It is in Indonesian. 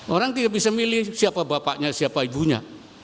orang tidak bisa milih siapa bapaknya siapa ibunya